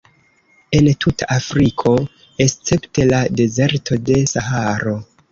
En tuta Afriko, escepte la dezerto de Saharo.